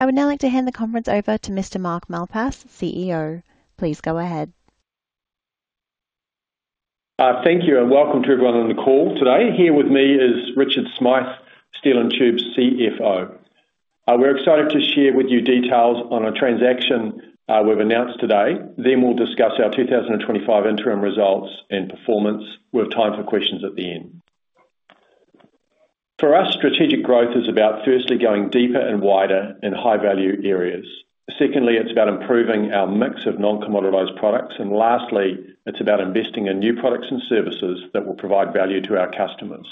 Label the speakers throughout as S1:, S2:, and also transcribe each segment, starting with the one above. S1: I would now like to hand the conference over to Mr. Mark Malpass, CEO. Please go ahead.
S2: Thank you, and welcome to everyone on the call today. Here with me is Richard Smyth, Steel & Tube's CFO. We're excited to share with you details on a transaction we've announced today, then we'll discuss our 2025 interim results and performance. We'll have time for questions at the end. For us, strategic growth is about firstly going deeper and wider in high-value areas. Secondly, it's about improving our mix of non-commoditized products. Lastly, it's about investing in new products and services that will provide value to our customers.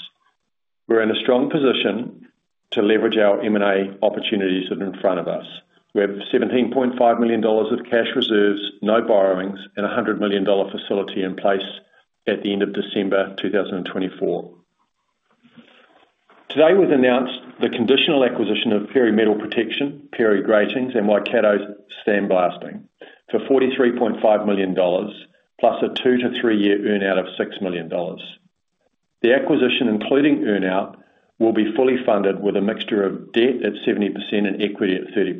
S2: We're in a strong position to leverage our M&A opportunities that are in front of us. We have 17.5 million dollars of cash reserves, no borrowings, and a 100 million dollar facility in place at the end of December 2024. Today, we've announced the conditional acquisition of Perry Metal Protection, Perry Grating, and Waikato Sandblasting for 43.5 million,+ a 2year-3year earnout of 6 million dollars. The acquisition, including earnout, will be fully funded with a mixture of debt at 70% and equity at 30%.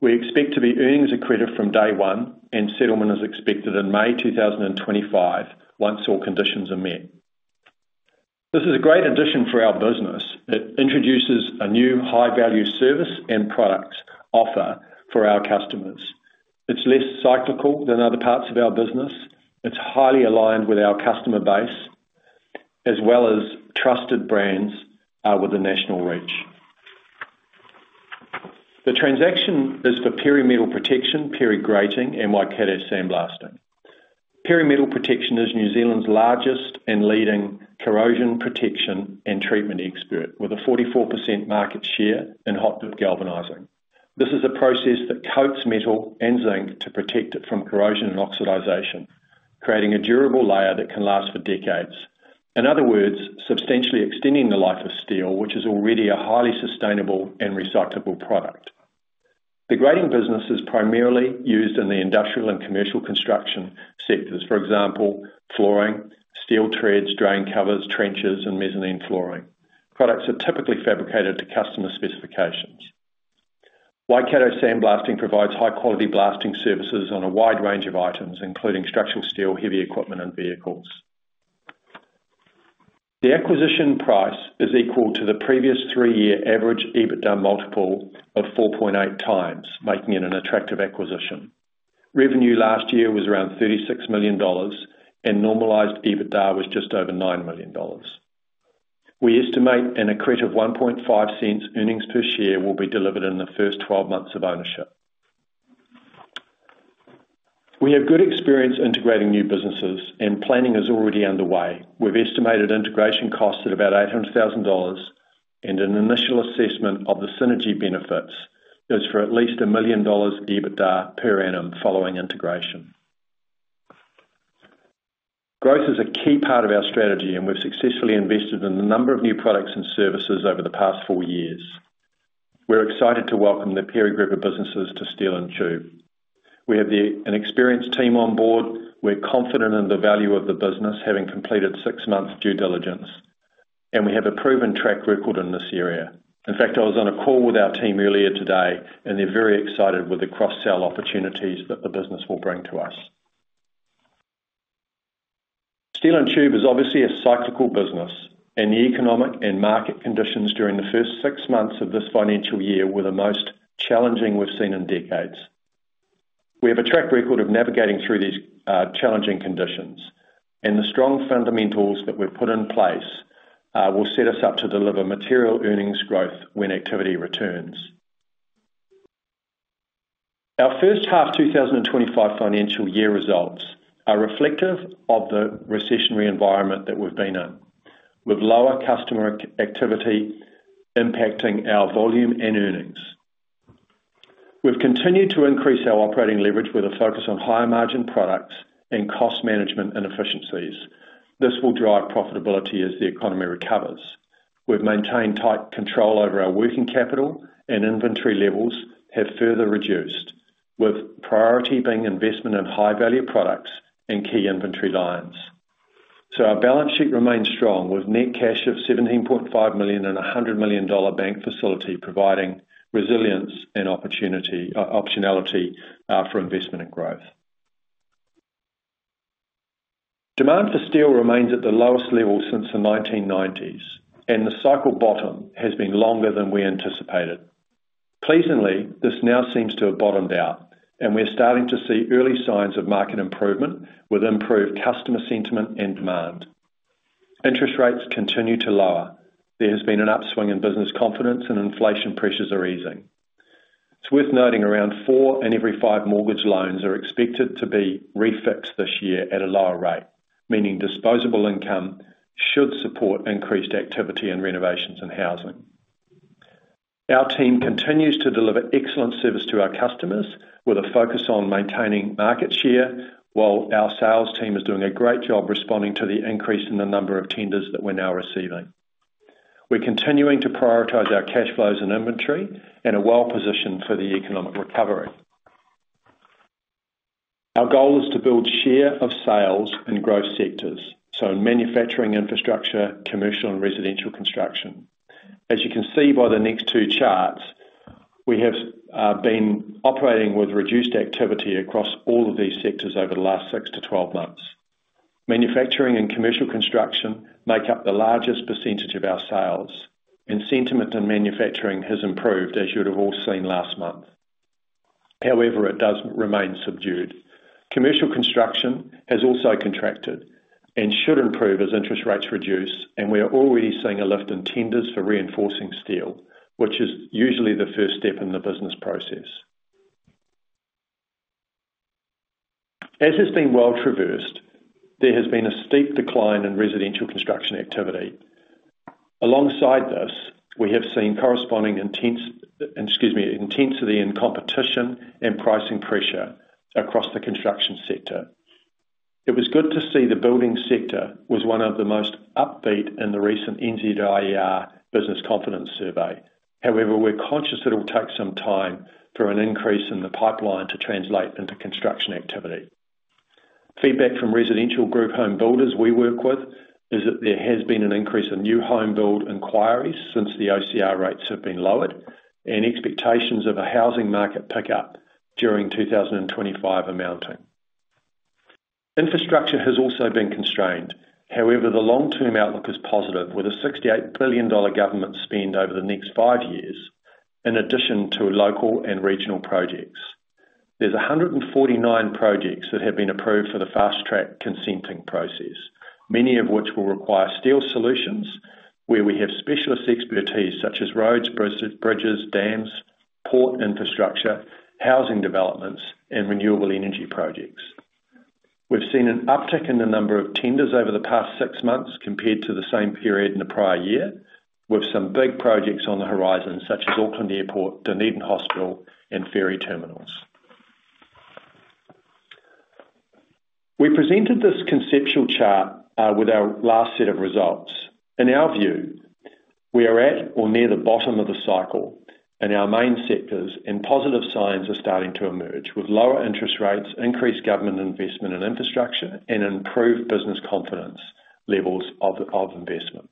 S2: We expect to be earnings accretive from day one, and settlement is expected in May 2025 once all conditions are met. This is a great addition for our business. It introduces a new high-value service and products offer for our customers. It's less cyclical than other parts of our business. It's highly aligned with our customer base, as well as trusted brands with a national reach. The transaction is for Perry Metal Protection, Perry Grating, and Waikato Sandblasting. Perry Metal Protection is New Zealand's largest and leading corrosion protection and treatment expert, with a 44% market share in hot-dip galvanizing. This is a process that coats metal in zinc to protect it from corrosion and oxidization, creating a durable layer that can last for decades. In other words, substantially extending the life of steel, which is already a highly sustainable and recyclable product. The grating business is primarily used in the industrial and commercial construction sectors, for example, flooring, steel treads, drain covers, trenches, and mezzanine flooring. Products are typically fabricated to customer specifications. Waikato Sandblasting provides high-quality blasting services on a wide range of items, including structural steel, heavy equipment, and vehicles. The acquisition price is equal to the previous 3-year average EBITDA multiple of 4.8x, making it an attractive acquisition. Revenue last year was around 36 million dollars, and normalized EBITDA was just over 9 million dollars. We estimate an accretive of 1.5 cents earnings per share will be delivered in the first 12 months of ownership. We have good experience integrating new businesses, and planning is already underway. We have estimated integration costs at about 800,000 dollars, and an initial assessment of the synergy benefits is for at least 1 million dollars EBITDA per annum following integration. Growth is a key part of our strategy, and we have successfully invested in a number of new products and services over the past four years. We are excited to welcome the Perry Group of Businesses to Steel & Tube. We have an experienced team on board. We are confident in the value of the business, having completed six months' due diligence, and we have a proven track record in this area. In fact, I was on a call with our team earlier today, and they are very excited with the cross-sell opportunities that the business will bring to us. Steel & Tube is obviously a cyclical business, and the economic and market conditions during the first six months of this financial year were the most challenging we've seen in decades. We have a track record of navigating through these challenging conditions, and the strong fundamentals that we've put in place will set us up to deliver material earnings growth when activity returns. Our first half 2025 financial year results are reflective of the recessionary environment that we've been in, with lower customer activity impacting our volume and earnings. We've continued to increase our operating leverage with a focus on higher margin products and cost management and efficiencies. This will drive profitability as the economy recovers. We've maintained tight control over our working capital, and inventory levels have further reduced, with priority being investment in high-value products and key inventory lines. Our balance sheet remains strong, with net cash of 17.5 million and a 100 million dollar bank facility providing resilience and optionality for investment and growth. Demand for steel remains at the lowest level since the 1990s, and the cycle bottom has been longer than we anticipated. Pleasingly, this now seems to have bottomed out, and we're starting to see early signs of market improvement with improved customer sentiment and demand. Interest rates continue to lower. There has been an upswing in business confidence, and inflation pressures are easing. It's worth noting around four in every five mortgage loans are expected to be refixed this year at a lower rate, meaning disposable income should support increased activity and renovations and housing. Our team continues to deliver excellent service to our customers with a focus on maintaining market share, while our sales team is doing a great job responding to the increase in the number of tenders that we're now receiving. We're continuing to prioritize our cash flows and inventory and are well positioned for the economic recovery. Our goal is to build share of sales in growth sectors, so in manufacturing, infrastructure, commercial, and residential construction. As you can see by the next two charts, we have been operating with reduced activity across all of these sectors over the last 6 months-12 months. Manufacturing and commercial construction make up the largest percentage of our sales, and sentiment in manufacturing has improved, as you would have all seen last month. However, it does remain subdued. Commercial construction has also contracted and should improve as interest rates reduce, and we are already seeing a lift in tenders for reinforcing steel, which is usually the first step in the business process. As it's been well traversed, there has been a steep decline in residential construction activity. Alongside this, we have seen corresponding intensity in competition and pricing pressure across the construction sector. It was good to see the building sector was one of the most upbeat in the recent NZIER business confidence survey. However, we're conscious it will take some time for an increase in the pipeline to translate into construction activity. Feedback from residential group home builders we work with is that there has been an increase in new home build enquiries since the OCR rates have been lowered and expectations of a housing market pickup during 2025 are mounting. Infrastructure has also been constrained. However, the long-term outlook is positive, with a 68 billion dollar government spend over the next five years, in addition to local and regional projects. There's 149 projects that have been approved for the fast-track consenting process, many of which will require steel solutions, where we have specialist expertise such as roads, bridges, dams, port infrastructure, housing developments, and renewable energy projects. We've seen an uptick in the number of tenders over the past six months compared to the same period in the prior year, with some big projects on the horizon, such as Auckland Airport, Dunedin Hospital, and ferry terminals. We presented this conceptual chart with our last set of results. In our view, we are at or near the bottom of the cycle, and our main sectors and positive signs are starting to emerge, with lower interest rates, increased government investment in infrastructure, and improved business confidence levels of investment.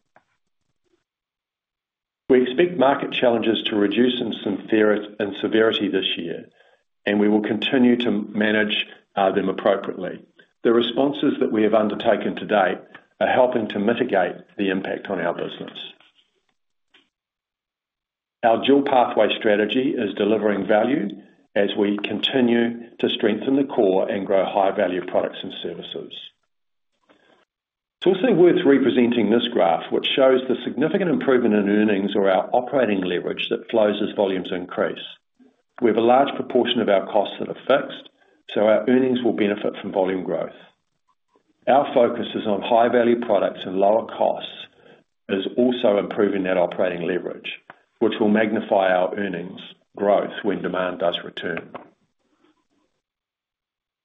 S2: We expect market challenges to reduce in severity this year, and we will continue to manage them appropriately. The responses that we have undertaken to date are helping to mitigate the impact on our business. Our dual pathway strategy is delivering value as we continue to strengthen the core and grow high-value products and services. It's also worth representing this graph, which shows the significant improvement in earnings or our operating leverage that flows as volumes increase. We have a large proportion of our costs that are fixed, so our earnings will benefit from volume growth. Our focus is on high-value products and lower costs as also improving that operating leverage, which will magnify our earnings growth when demand does return.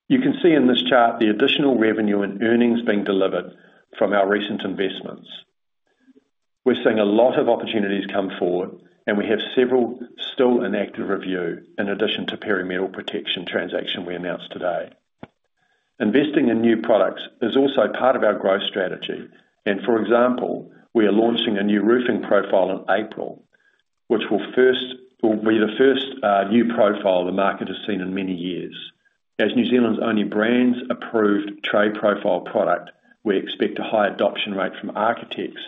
S2: You can see in this chart the additional revenue and earnings being delivered from our recent investments. We're seeing a lot of opportunities come forward, and we have several still in active review, in addition to the Perry Metal Protection transaction we announced today. Investing in new products is also part of our growth strategy. For example, we are launching a new roofing profile in April, which will be the first new profile the market has seen in many years. As New Zealand's only BRANZ approved tray profile product, we expect a high adoption rate from architects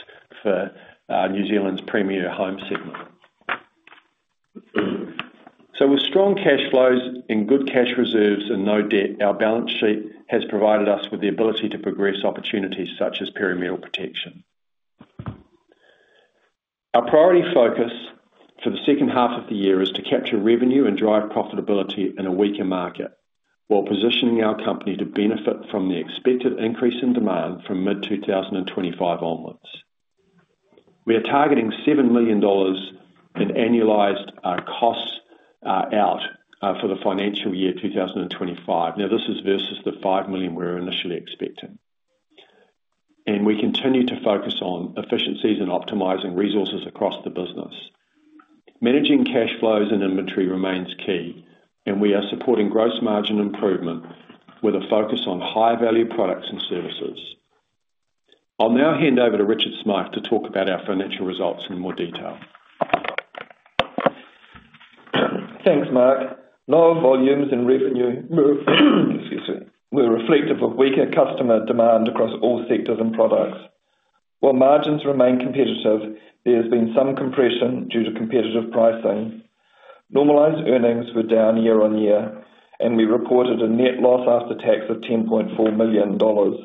S2: for New Zealand's premier home segment. With strong cash flows and good cash reserves and no debt, our balance sheet has provided us with the ability to progress opportunities such as Perry Metal Protection. Our priority focus for the second half of the year is to capture revenue and drive profitability in a weaker market, while positioning our company to benefit from the expected increase in demand from mid-2025 onwards. We are targeting 7 million dollars in annualized costs out for the financial year 2025. This is versus the 5 million we were initially expecting. We continue to focus on efficiencies and optimizing resources across the business. Managing cash flows and inventory remains key, and we are supporting gross margin improvement with a focus on high-value products and services. I'll now hand over to Richard Smyth to talk about our financial results in more detail.
S3: Thanks, Mark. Lower volumes and revenue were reflective of weaker customer demand across all sectors and products. While margins remain competitive, there has been some compression due to competitive pricing. Normalized earnings were down year-on-year, and we reported a net loss after tax of 10.4 million dollars,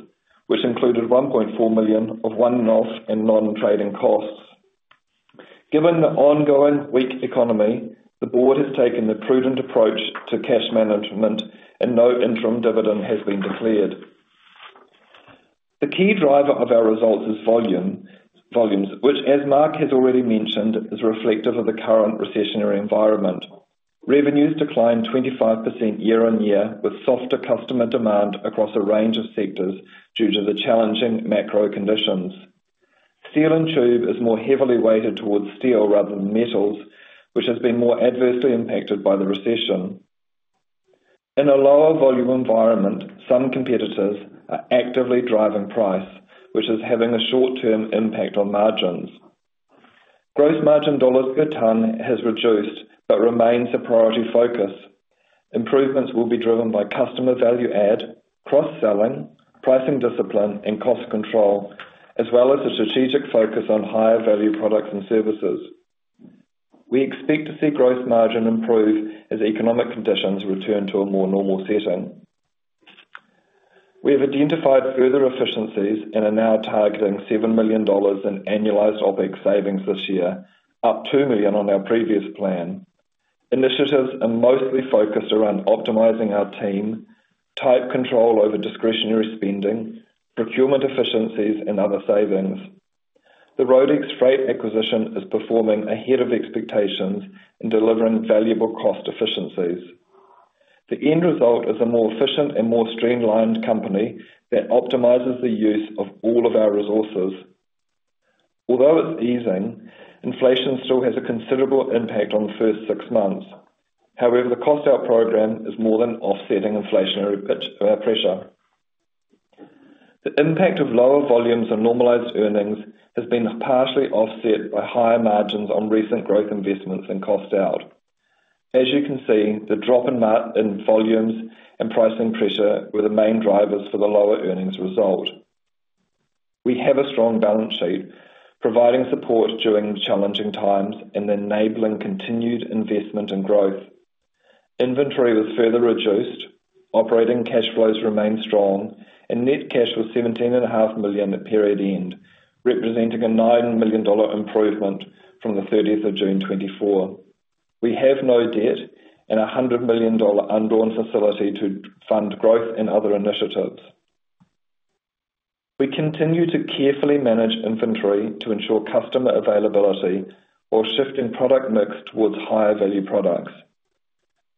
S3: which included 1.4 million of one-off and non-trading costs. Given the ongoing weak economy, the Board has taken the prudent approach to cash management, and no interim dividend has been declared. The key driver of our results is volumes, which, as Mark has already mentioned, is reflective of the current recessionary environment. Revenues declined 25% year-on-year, with softer customer demand across a range of sectors due to the challenging macro conditions. Steel & Tube is more heavily weighted towards steel rather than metals, which has been more adversely impacted by the recession. In a lower volume environment, some competitors are actively driving price, which is having a short-term impact on margins. Gross margin dollars per tonne has reduced but remains a priority focus. Improvements will be driven by customer value add, cross-selling, pricing discipline, and cost control, as well as a strategic focus on higher value products and services. We expect to see gross margin improve as economic conditions return to a more normal setting. We have identified further efficiencies and are now targeting 7 million dollars in annualized OpEx savings this year, up 2 million on our previous plan. Initiatives are mostly focused around optimizing our team, tight control over discretionary spending, procurement efficiencies, and other savings. The Roadex freight acquisition is performing ahead of expectations and delivering valuable cost efficiencies. The end result is a more efficient and more streamlined company that optimizes the use of all of our resources. Although it's easing, inflation still has a considerable impact on the first six months. However, the cost-out program is more than offsetting inflationary pressure. The impact of lower volumes and normalized earnings has been partially offset by higher margins on recent growth investments and cost-out. As you can see, the drop in volumes and pricing pressure were the main drivers for the lower earnings result. We have a strong balance sheet, providing support during challenging times and enabling continued investment and growth. Inventory was further reduced, operating cash flows remained strong, and net cash was 17.5 million at period end, representing a 9 million dollar improvement from the 30th of June 2024. We have no debt and a 100 million dollar undrawn facility to fund growth and other initiatives. We continue to carefully manage inventory to ensure customer availability while shifting product mix towards higher value products.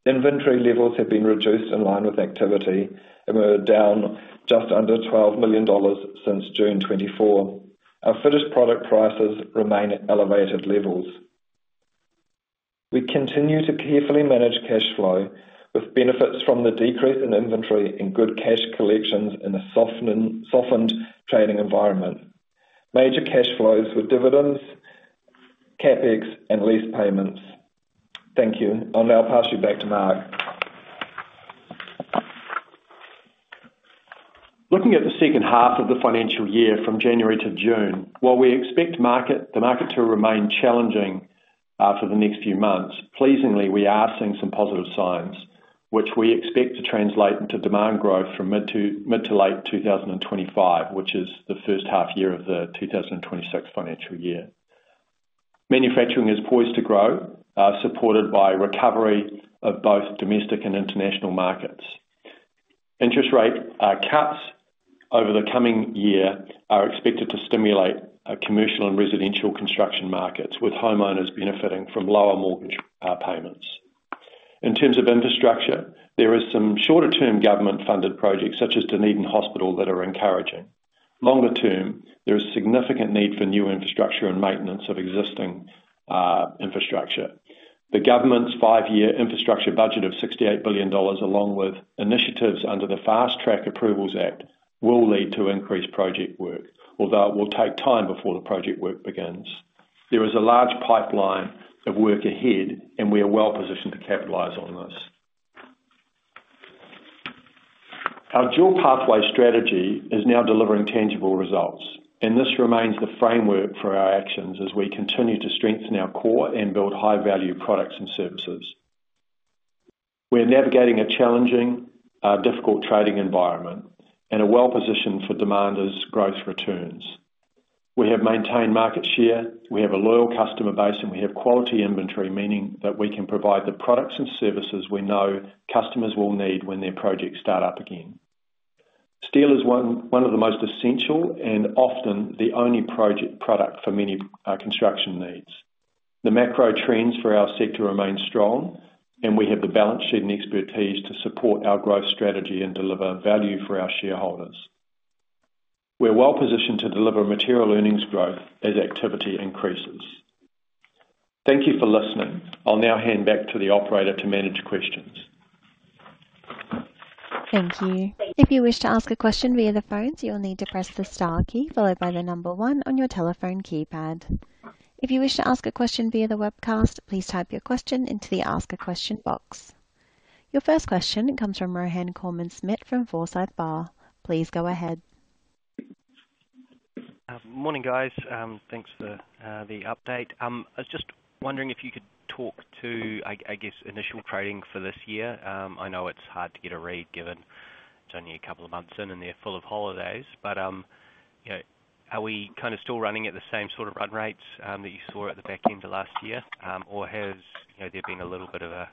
S3: Inventory levels have been reduced in line with activity, and we're down just under 12 million dollars since June 2024. Our finished product prices remain at elevated levels. We continue to carefully manage cash flow, with benefits from the decrease in inventory and good cash collections in a softened trading environment. Major cash flows were dividends, CapEx, and lease payments. Thank you. I'll now pass you back to Mark.
S2: Looking at the second half of the financial year from January-June, while we expect the market to remain challenging for the next few months, pleasingly, we are seeing some positive signs, which we expect to translate into demand growth from mid to late 2025, which is the first half year of the 2026 financial year. Manufacturing is poised to grow, supported by recovery of both domestic and international markets. Interest rate cuts over the coming year are expected to stimulate commercial and residential construction markets, with homeowners benefiting from lower mortgage payments. In terms of infrastructure, there are some shorter-term government-funded projects such as Dunedin Hospital that are encouraging. Longer term, there is significant need for new infrastructure and maintenance of existing infrastructure. The government's 5-year infrastructure budget of 68 billion dollars, along with initiatives under the Fast Track Approvals Act, will lead to increased project work, although it will take time before the project work begins. There is a large pipeline of work ahead, and we are well positioned to capitalize on this. Our dual pathway strategy is now delivering tangible results, and this remains the framework for our actions as we continue to strengthen our core and build high-value products and services. We are navigating a challenging, difficult trading environment and are well positioned for demand as growth returns. We have maintained market share. We have a loyal customer base, and we have quality inventory, meaning that we can provide the products and services we know customers will need when their projects start up again. Steel is one of the most essential and often the only product for many construction needs. The macro trends for our sector remain strong, and we have the balance sheet and expertise to support our growth strategy and deliver value for our shareholders. We're well positioned to deliver material earnings growth as activity increases. Thank you for listening. I'll now hand back to the operator to manage questions.
S1: Thank you. If you wish to ask a question via the phone, you'll need to press the star key followed by the number one on your telephone keypad. If you wish to ask a question via the webcast, please type your question into the ask a question box. Your first question comes from Rohan Koreman-Smit from Forsyth Barr. Please go ahead.
S4: Morning, guys. Thanks for the update. I was just wondering if you could talk to, I guess, initial trading for this year. I know it's hard to get a read given it's only a couple of months in and they're full of holidays. Are we kind of still running at the same sort of run rates that you saw at the back end of last year, or has there been a little bit of a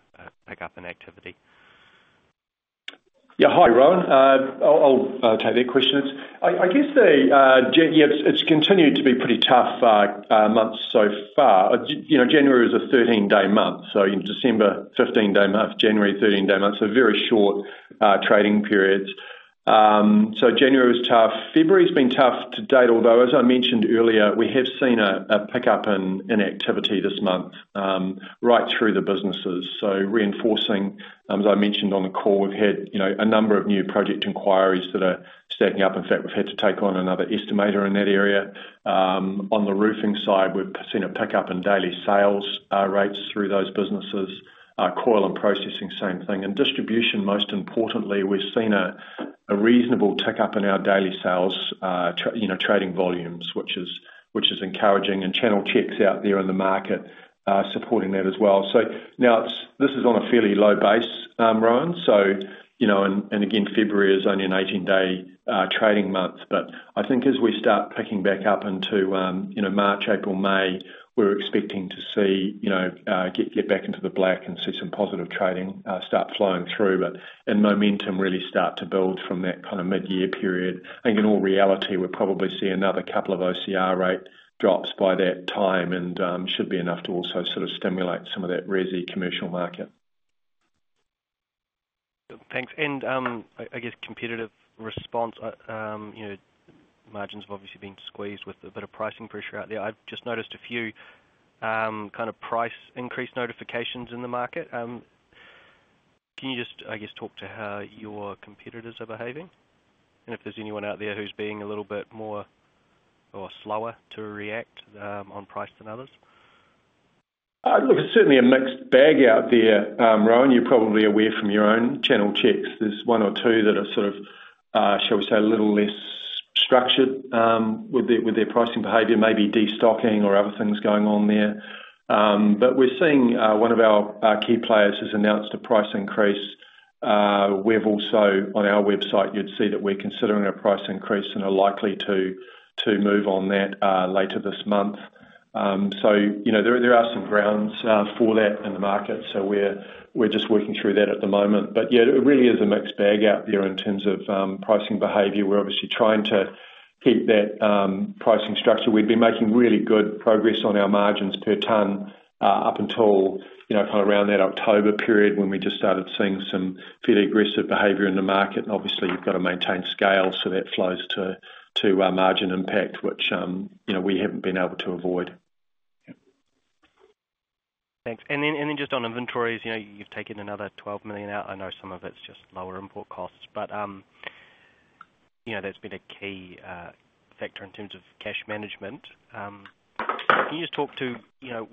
S4: pickup in activity?
S2: Yeah. Hi, Rohan. I'll take that question. I guess it's continued to be pretty tough months so far. January is a 13-day month, so December, 15-day month, January, 13-day month, so very short trading periods. January was tough. February's been tough to date, although, as I mentioned earlier, we have seen a pickup in activity this month right through the businesses. Reinforcing, as I mentioned on the call, we've had a number of new project inquiries that are stacking up. In fact, we've had to take on another estimator in that area. On the roofing side, we've seen a pickup in daily sales rates through those businesses. Coil and processing, same thing. Distribution, most importantly, we've seen a reasonable tick up in our daily sales trading volumes, which is encouraging. Channel checks out there in the market are supporting that as well. This is on a fairly low base, Rohan. Again, February is only an 18-day trading month. I think as we start picking back up into March, April, May, we're expecting to get back into the black and see some positive trading start flowing through and momentum really start to build from that kind of mid-year period. In all reality, we'll probably see another couple of OCR rate drops by that time and should be enough to also sort of stimulate some of that Resi commercial market.
S4: Thanks. I guess competitive response, margins have obviously been squeezed with a bit of pricing pressure out there. I've just noticed a few kind of price increase notifications in the market. Can you just, I guess, talk to how your competitors are behaving? And if there's anyone out there who's being a little bit more or slower to react on price than others?
S2: Look, it's certainly a mixed bag out there, Rohan. You're probably aware from your own channel checks. There's one or two that are sort of, shall we say, a little less structured with their pricing behavior, maybe destocking or other things going on there. We are seeing one of our key players has announced a price increase. We have also, on our website, you would see that we are considering a price increase and are likely to move on that later this month. There are some grounds for that in the market. We are just working through that at the moment. It really is a mixed bag out there in terms of pricing behavior. We are obviously trying to keep that pricing structure. We have been making really good progress on our margins per ton up until kind of around that October period when we just started seeing some fairly aggressive behavior in the market. Obviously, you've got to maintain scale so that flows to margin impact, which we haven't been able to avoid.
S4: Thanks. Just on inventories, you've taken another 12 million out. I know some of it's just lower import costs, but that's been a key factor in terms of cash management. Can you just talk to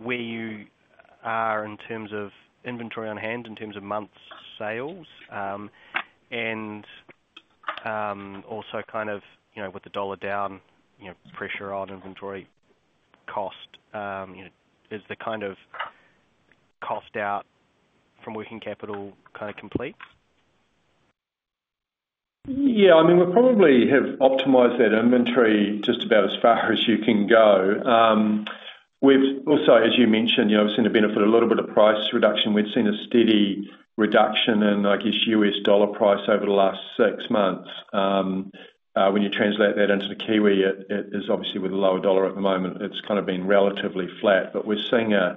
S4: where you are in terms of inventory on hand, in terms of month's sales, and also kind of with the dollar-down pressure on inventory cost? Is the kind of cost out from working capital kind of complete?
S2: Yeah. I mean, we probably have optimized that inventory just about as far as you can go. Also, as you mentioned, we've seen a benefit of a little bit of price reduction. We've seen a steady reduction in, I guess, U.S. dollar price over the last six months. When you translate that into the Kiwi, it is obviously with a lower dollar at the moment. It's kind of been relatively flat. We are seeing an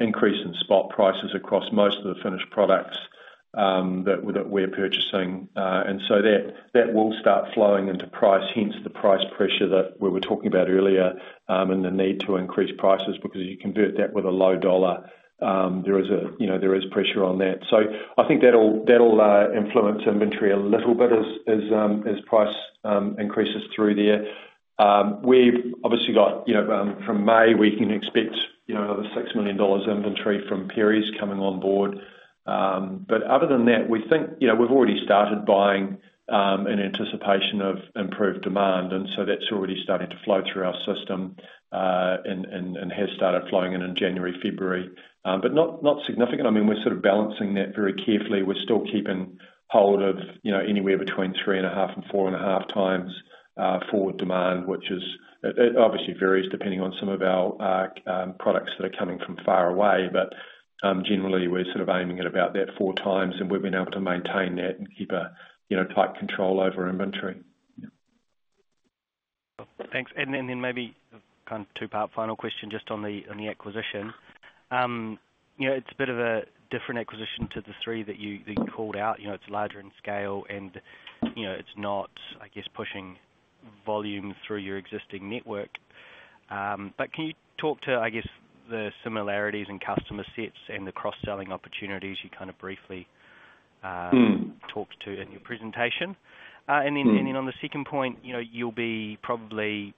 S2: increase in spot prices across most of the finished products that we're purchasing. That will start flowing into price, hence the price pressure that we were talking about earlier and the need to increase prices because you convert that with a low dollar. There is pressure on that. I think that'll influence inventory a little bit as price increases through there. We've obviously got from May, we can expect another 6 million dollars inventory from Perry's coming on board. Other than that, we think we've already started buying in anticipation of improved demand. That is already starting to flow through our system and has started flowing in in January, February. Not significant. I mean, we're sort of balancing that very carefully. We're still keeping hold of anywhere between three and a half and four and a half times forward demand, which obviously varies depending on some of our products that are coming from far away. Generally, we're sort of aiming at about that four times, and we've been able to maintain that and keep a tight control over inventory.
S4: Thanks. Maybe kind of two-part final question just on the acquisition. It's a bit of a different acquisition to the three that you called out. It's larger in scale, and it's not, I guess, pushing volume through your existing network. Can you talk to, I guess, the similarities in customer sets and the cross-selling opportunities you kind of briefly talked to in your presentation? On the second point, you'll be probably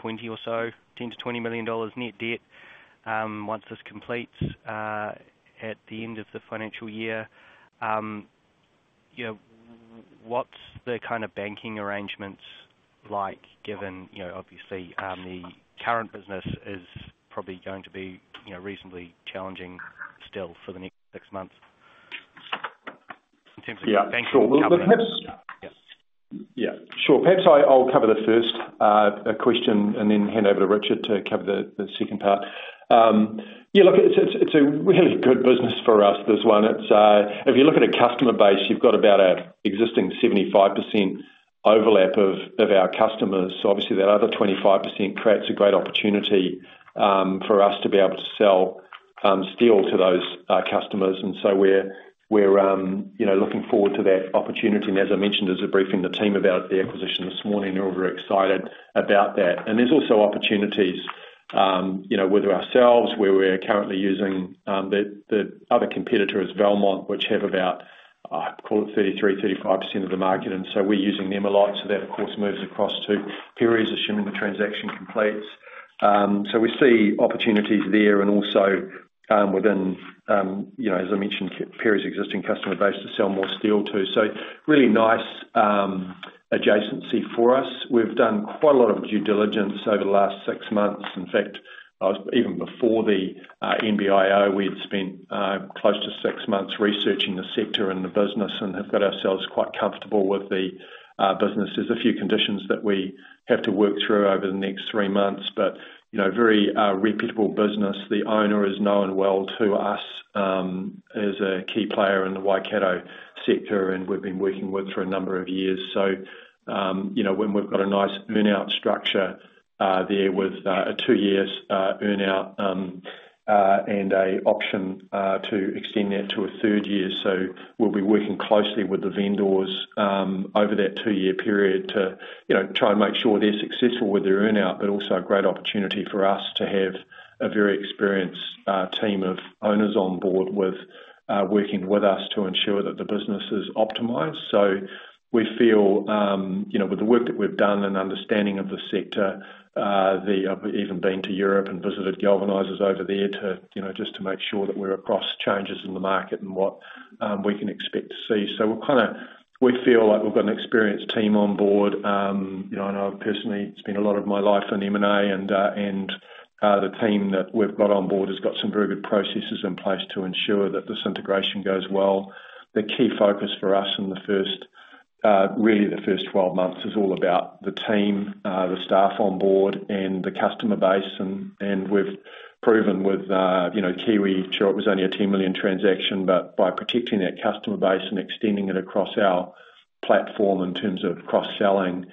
S4: 20 or so, 10 million dollars-NZD20 million net debt once this completes at the end of the financial year. What's the kind of banking arrangements like given, obviously, the current business is probably going to be reasonably challenging still for the next six months in terms of banking?
S2: Yeah. Sure. Perhaps I'll cover the first question and then hand over to Richard to cover the second part. Yeah. Look, it's a really good business for us, this one. If you look at a customer base, you've got about an existing 75% overlap of our customers. So obviously, that other 25% creates a great opportunity for us to be able to sell steel to those customers. We are looking forward to that opportunity. As I mentioned, as I briefed in the team about the acquisition this morning, we're very excited about that. There's also opportunities with ourselves where we're currently using the other competitor, Valmont, which have about, I call it, 33%-35% of the market. We're using them a lot. That, of course, moves across to Perry's, assuming the transaction completes. We see opportunities there and also within, as I mentioned, Perry's existing customer base to sell more steel to. Really nice adjacency for us. We've done quite a lot of due diligence over the last six months. In fact, even before the NBIO, we'd spent close to six months researching the sector and the business and have got ourselves quite comfortable with the business are a few conditions that we have to work through over the next three months, but very reputable business. The owner is known well to us as a key player in the Waikato sector, and we've been working with for a number of years. We have a nice earnout structure there with a two-year earnout and an option to extend that to a third year. We will be working closely with the vendors over that two-year period to try and make sure they're successful with their earnout, but also a great opportunity for us to have a very experienced team of owners on board working with us to ensure that the business is optimized. We feel, with the work that we've done and understanding of the sector, we've even been to Europe and visited galvanizers over there just to make sure that we're across changes in the market and what we can expect to see. We feel like we've got an experienced team on board. I personally spent a lot of my life in M&A, and the team that we've got on board has got some very good processes in place to ensure that this integration goes well. The key focus for us in really the first 12 months is all about the team, the staff on board, and the customer base. We have proven with Kiwi, sure, it was only a 10 million transaction, but by protecting that customer base and extending it across our platform in terms of cross-selling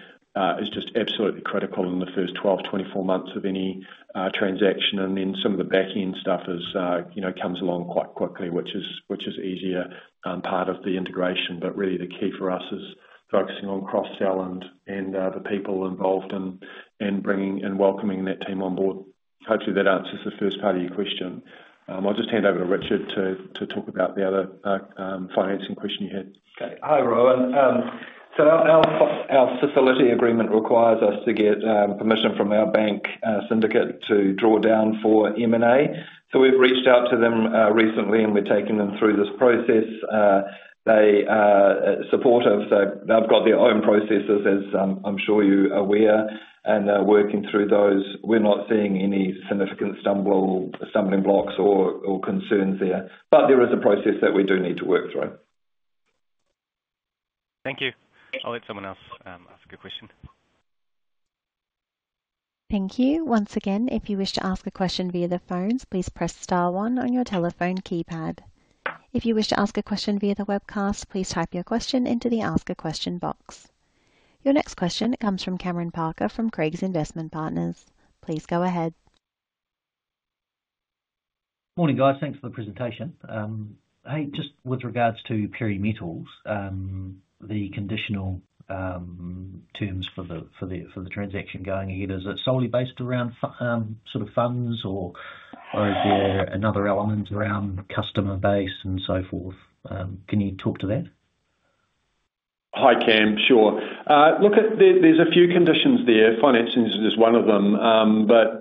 S2: is just absolutely critical in the first 12 months-24 months of any transaction. Some of the back-end stuff comes along quite quickly, which is an easier part of the integration. Really, the key for us is focusing on cross-selling and the people involved in bringing and welcoming that team on board. Hopefully, that answers the first part of your question. I'll just hand over to Richard to talk about the other financing question you had.
S3: Okay. Hi, Rohan. Our facility agreement requires us to get permission from our bank syndicate to draw down for M&A. We have reached out to them recently, and we are taking them through this process. They are supportive. They've got their own processes, as I'm sure you're aware, and they're working through those. We're not seeing any significant stumbling blocks or concerns there. There is a process that we do need to work through.
S4: Thank you. I'll let someone else ask a question.
S1: Thank you. Once again, if you wish to ask a question via the phones, please press star one on your telephone keypad. If you wish to ask a question via the webcast, please type your question into the ask a question box. Your next question comes from Cameron Parker from Craigs Investment Partners. Please go ahead.
S5: Morning, guys. Thanks for the presentation. Hey, just with regards to Perry Metal Protection, the conditional terms for the transaction going ahead, is it solely based around sort of funds, or is there another element around customer base and so forth? Can you talk to that?
S2: Hi, Cameron. Sure. Look, there's a few conditions there. Financing is one of them.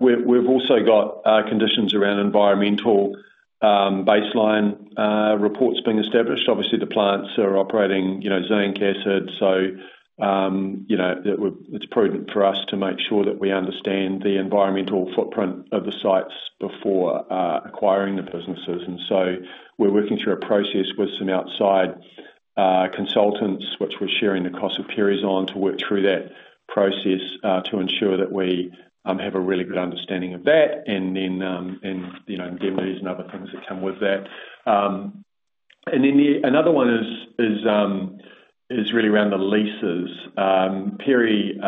S2: We have also got conditions around environmental baseline reports being established. Obviously, the plants are operating zinc, acid, so it's prudent for us to make sure that we understand the environmental footprint of the sites before acquiring the businesses. We are working through a process with some outside consultants, which we are sharing the cost of Perry's on to work through that process to ensure that we have a really good understanding of that and then endeavors and other things that come with that. Another one is really around the leases. Perry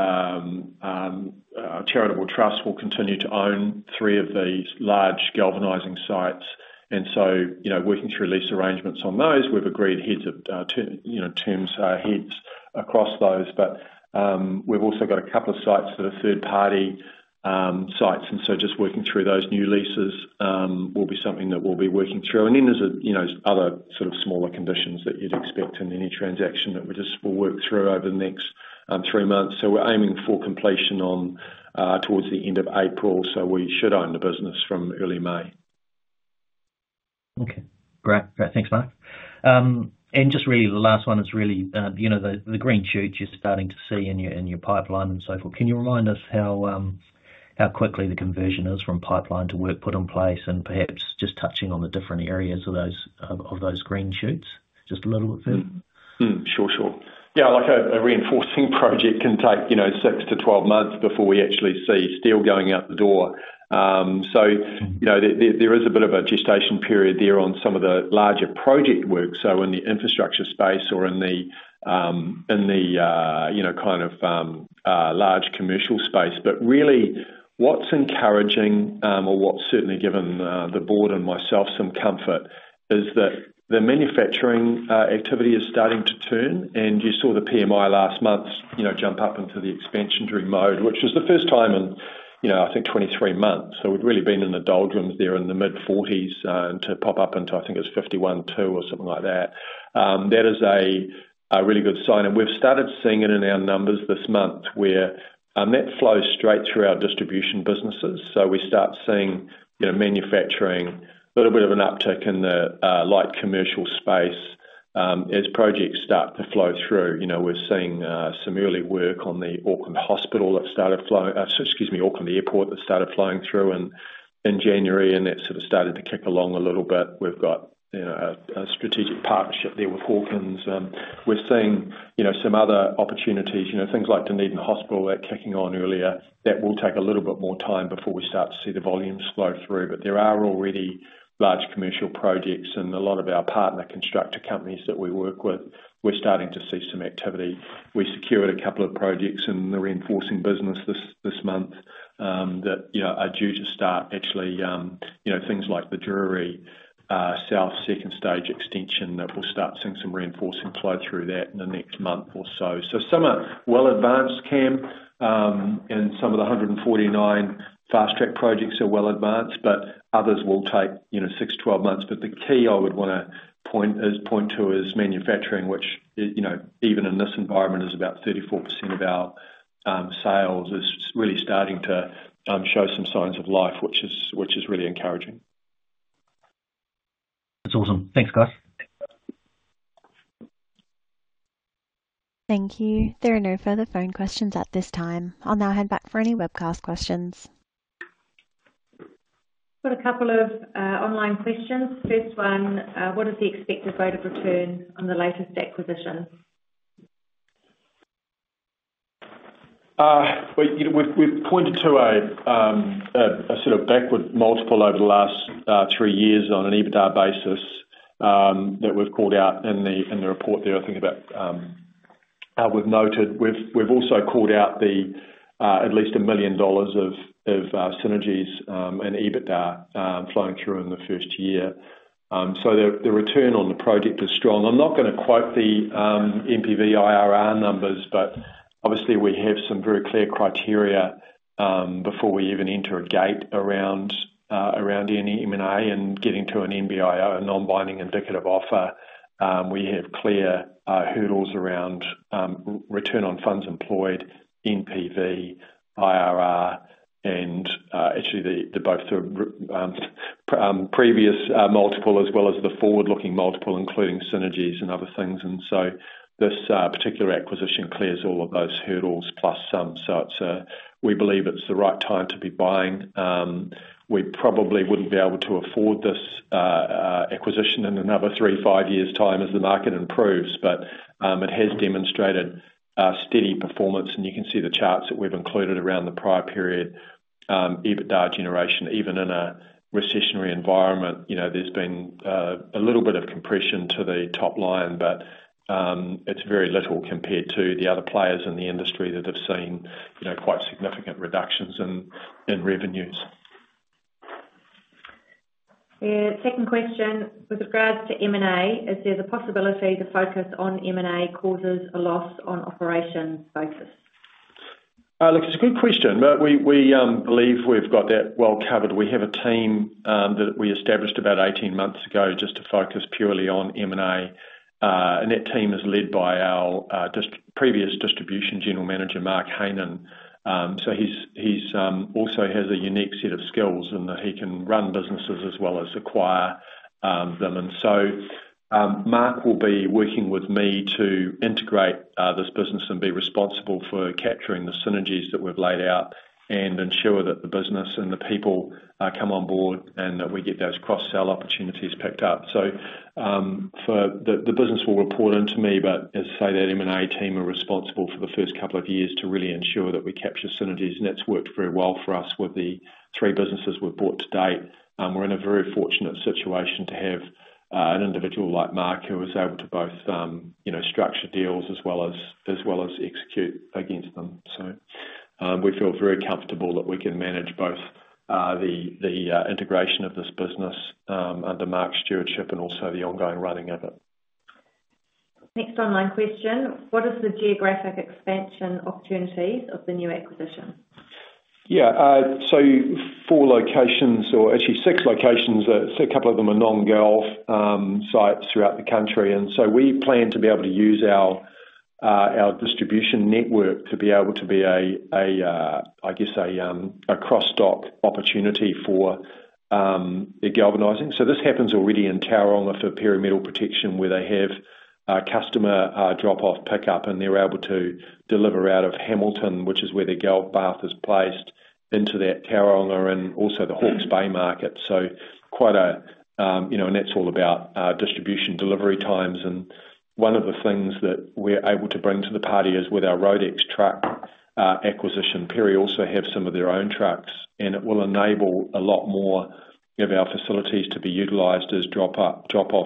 S2: Charitable Trust will continue to own three of these large galvanizing sites. We are working through lease arrangements on those, we have agreed heads of terms across those. We have also got a couple of sites that are third-party sites. Just working through those new leases will be something that we'll be working through. There are other sort of smaller conditions that you'd expect in any transaction that we'll work through over the next three months. We're aiming for completion towards the end of April. We should own the business from early May.
S5: Okay. Great. Thanks, Mark. Just really the last one is really the green chute you're starting to see in your pipeline and so forth. Can you remind us how quickly the conversion is from pipeline to work put in place and perhaps just touching on the different areas of those green chutes just a little bit further.
S2: Sure, sure. Yeah. Like a reinforcing project can take 6 months-12 months before we actually see steel going out the door. There is a bit of a gestation period there on some of the larger project work, in the infrastructure space or in the kind of large commercial space. What is encouraging or what has certainly given the board and myself some comfort is that the manufacturing activity is starting to turn. You saw the PMI last month jump up into the expansionary mode, which was the first time in, I think, 23 months. We have really been in the doldrums there in the mid-40s to pop up into, I think, it was 51.2 or something like that. That is a really good sign. We have started seeing it in our numbers this month where that flows straight through our distribution businesses. We start seeing manufacturing, a little bit of an uptick in the light commercial space as projects start to flow through. We're seeing some early work on the Auckland Airport that started flowing through in January, and that sort of started to kick along a little bit. We've got a strategic partnership there with Hawkins. We're seeing some other opportunities, things like Dunedin Hospital that are kicking on earlier, that will take a little bit more time before we start to see the volume flow through. There are already large commercial projects and a lot of our partner constructor companies that we work with. We're starting to see some activity. We secured a couple of projects in the reinforcing business this month that are due to start, actually things like the Drury South second stage extension that we'll start seeing some reinforcing flow through in the next month or so. Some are well advanced, Cam, and some of the 149 fast track projects are well advanced, but others will take 6 months-12 months. The key I would want to point to is manufacturing, which even in this environment is about 34% of our sales, is really starting to show some signs of life, which is really encouraging.
S5: That's awesome. Thanks, guys.
S1: Thank you. There are no further phone questions at this time. I'll now hand back for any webcast questions.
S6: We've got a couple of online questions. First one, what is the expected rate of return on the latest acquisition?
S2: We've pointed to a sort of backward multiple over the last three years on an EBITDA basis that we've called out in the report there. I think about how we've noted we've also called out at least 1 million dollars of synergies and EBITDA flowing through in the first year. The return on the project is strong. I'm not going to quote the NPV IRR numbers, but obviously, we have some very clear criteria before we even enter a gate around any M&A and getting to an NBIO, a non-binding indicative offer. We have clear hurdles around return on funds employed, NPV, IRR, and actually both the previous multiple as well as the forward-looking multiple, including synergies and other things. This particular acquisition clears all of those hurdles plus some. We believe it's the right time to be buying. We probably wouldn't be able to afford this acquisition in another three to five years' time as the market improves, but it has demonstrated steady performance. You can see the charts that we've included around the prior period, EBITDA generation, even in a recessionary environment. There's been a little bit of compression to the top line, but it's very little compared to the other players in the industry that have seen quite significant reductions in revenues. Second question, with regards to M&A, is there the possibility the focus on M&A causes a loss on operations focus? Look, it's a good question, but we believe we've got that well covered. We have a team that we established about 18 months ago just to focus purely on M&A. That team is led by our previous Distribution General Manager, Marc Hainen. He also has a unique set of skills, and he can run businesses as well as acquire them. Marc will be working with me to integrate this business and be responsible for capturing the synergies that we've laid out and ensure that the business and the people come on board and that we get those cross-sell opportunities picked up. The business will report into me, but as I say, that M&A team are responsible for the first couple of years to really ensure that we capture synergies. That's worked very well for us with the three businesses we've bought to date. We're in a very fortunate situation to have an individual like Mark who is able to both structure deals as well as execute against them. We feel very comfortable that we can manage both the integration of this business under Marc's stewardship and also the ongoing running of it.
S6: Next online question, what is the geographic expansion opportunities of the new acquisition?
S2: Yeah. Four locations, or actually six locations. A couple of them are non-galv sites throughout the country. We plan to be able to use our distribution network to be able to be a, I guess, a cross-dock opportunity for the galvanizing. This happens already in Tauranga for Perry Metal Protection, where they have customer drop-off pickup, and they're able to deliver out of Hamilton, which is where the galv bath is placed into that Tauranga and also the Hawke's Bay market. Quite a—and that's all about distribution delivery times. One of the things that we're able to bring to the party is with our Roadex truck acquisition. Perry also has some of their own trucks, and it will enable a lot more of our facilities to be utilized as drop-off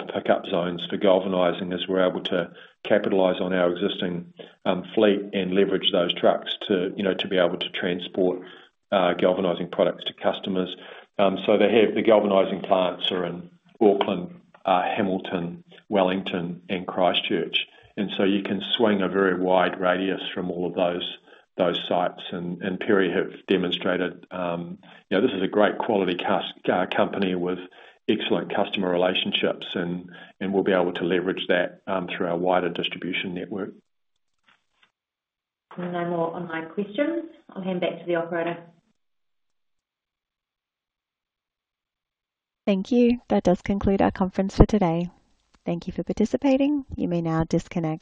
S2: pickup zones for galvanizing as we're able to capitalize on our existing fleet and leverage those trucks to be able to transport galvanizing products to customers. The galvanizing plants are in Auckland, Hamilton, Wellington, and Christchurch. You can swing a very wide radius from all of those sites. Perry have demonstrated this is a great quality company with excellent customer relationships, and we'll be able to leverage that through our wider distribution network.
S6: No more online questions. I'll hand back to the operator.
S1: Thank you. That does conclude our conference for today. Thank you for participating. You may now disconnect.